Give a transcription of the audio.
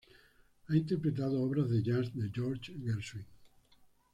Ha interpretado obras de jazz de George Gershwin.